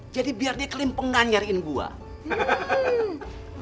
jadi biar dia kelimpangan nyariin gue